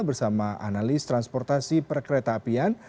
bersama analis transportasi per kereta apian